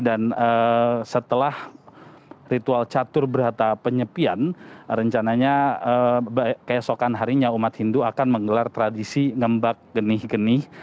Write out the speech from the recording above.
dan setelah ritual catur berhata penyepian rencananya keesokan harinya umat hindu akan menggelar tradisi ngembak genih genih